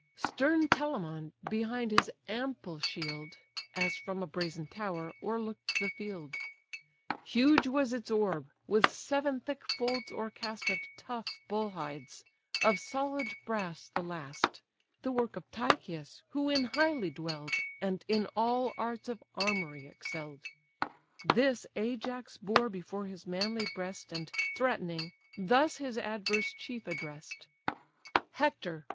Stern Telamon behind his ample shield, As from a brazen tower, o'erlook'd the field. Huge was its orb, with seven thick folds o'ercast, Of tough bull hides; of solid brass the last, (The work of Tychius, who in Hylè dwell'd And in all arts of armoury excell'd,) This Ajax bore before his manly breast, And, threatening, thus his adverse chief address'd: "Hector!